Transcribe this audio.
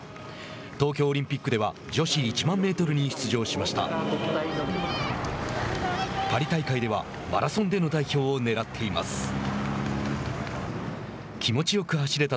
東京オリンピックでは女子１万メートルに出場しました。